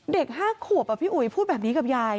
เด็ก๕ขวบพี่อุ๋ยพูดแบบนี้กับยาย